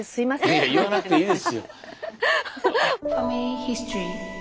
いやいや言わなくていいですよ。